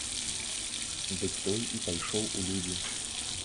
Дык той і пайшоў у людзі.